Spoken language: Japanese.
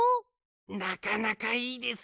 なかなかいいですよ。